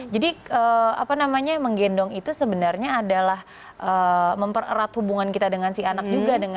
jadi apa namanya menggendong itu sebenarnya adalah mempererat hubungan kita dengan si anak juga